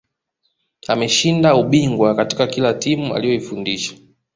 ameshinda ubingwa katika kila timu aliyoifundisha